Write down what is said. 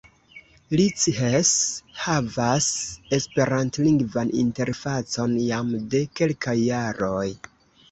Lichess havas esperantlingvan interfacon jam de kelkaj jaroj.